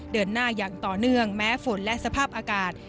เดินหน้าอย่างต่อเนื่องแม้ฝนและสภาพอากาศ